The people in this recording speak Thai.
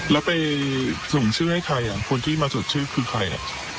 แล้วไปส่งชื่อให้ใครคนที่มาสดชื่อคือใคร